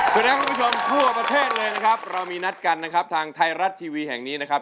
สำหรับคุณผู้ชมทั่วประเทศเลยนะครับเรามีนัดกันนะครับทางไทยรัฐทีวีแห่งนี้นะครับ